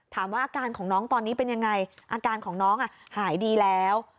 อาการของน้องตอนนี้เป็นยังไงอาการของน้องหายดีแล้ว